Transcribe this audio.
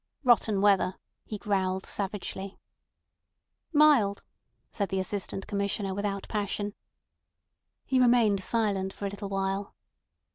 "Rotten weather," he growled savagely. "Mild," said the Assistant Commissioner without passion. He remained silent for a little while.